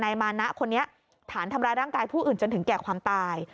มานะคนนี้ฐานทำร้ายร่างกายผู้อื่นจนถึงแก่ความตาย